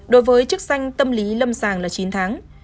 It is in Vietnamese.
đối với chức danh tâm lý lâm sàng là chín tháng